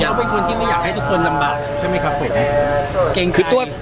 แล้วเป็นคนที่ไม่อยากให้ทุกคนลำบากใช่ไหมครับคุณแม่เก่งคือตัว